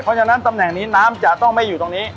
เพราะฉะนั้นตำแหน่งนี้น้ำจะต้องไม่อยู่ตรงนี้